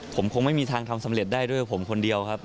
ผมคงไม่มีทางทำสำเร็จได้ด้วยผมคนเดียวครับ